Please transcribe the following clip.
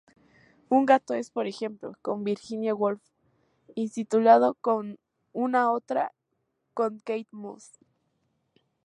Un gato es, por ejemplo, con Virginia Woolf, intitulado una otra con Kate Moss.